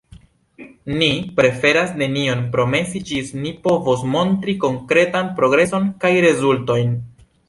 Ni preferas nenion promesi ĝis ni povos montri konkretan progreson kaj rezultojn.